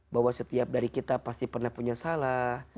bahwa setiap dari kita pasti pernah punya salah